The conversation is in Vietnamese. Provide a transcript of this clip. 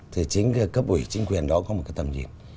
thì chính cái cấp ủy chính quyền đó có một cái tầm nhìn